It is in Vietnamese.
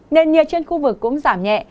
nền nhiệt trên khu vực cũng giảm nhẹ